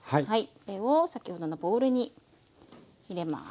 これを先ほどのボウルに入れます。